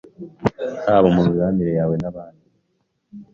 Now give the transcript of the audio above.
haba mu mibanire yawe n’abandi